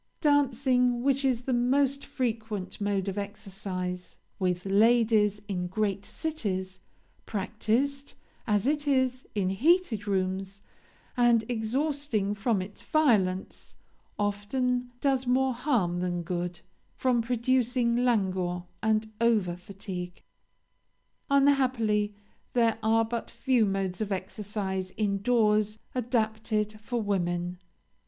"Dancing, which is the most frequent mode of exercise with ladies in great cities, practiced, as it is, in heated rooms, and exhausting from its violence, often does more harm than good, from producing languor and over fatigue. Unhappily there are but few modes of exercise in doors adapted for women.